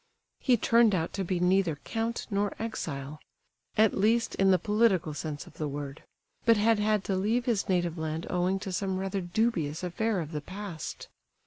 He turned out to be neither count nor exile—at least, in the political sense of the word—but had had to leave his native land owing to some rather dubious affair of the past.